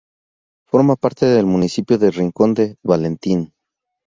Forma parte del municipio de Rincón de Valentín.